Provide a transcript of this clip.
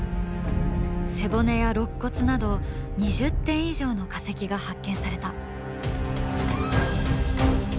背骨や肋骨など２０点以上の化石が発見された。